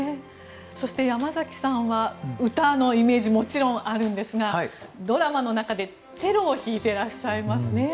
そして、山崎さんは歌のイメージがもちろんあるんですがドラマの中でチェロを弾いてらっしゃいますね。